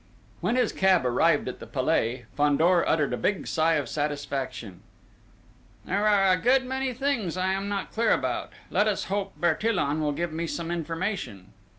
When his cab arrived at the Palais, Fandor uttered a big sigh of satisfaction: "There are a good many things I am not clear about: let us hope Bertillon will give me some information."